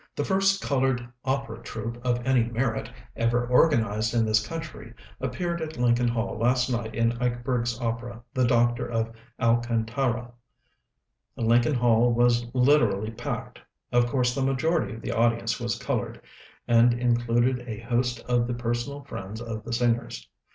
"The first colored opera troupe of any merit ever organized in this country appeared at Lincoln Hall last night in Eichberg's opera, 'The Doctor of Alcantara.' "Lincoln Hall was literally packed. Of course the majority of the audience was colored, and included a host of the personal friends of the singers.